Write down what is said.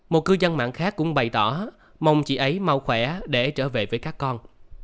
một cư dân mạng khác cũng bày tỏ mong chị ấy mau khỏe để trở về với các con